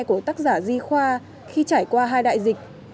của tác giả di khoa khi trải qua hai đại dịch